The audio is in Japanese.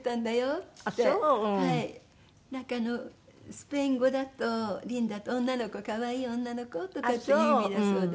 スペイン語だと「リンダ」って「女の子」「可愛い女の子」とかっていう意味だそうで。